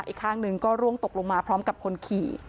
อีกข้างหนึ่งก็ร่วงตกลงมาพร้อมกับคนขี่